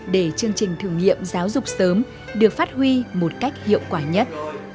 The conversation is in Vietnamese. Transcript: để chương trình thử nghiệm giáo dục sớm được phát huy một cách hiệu quả nhất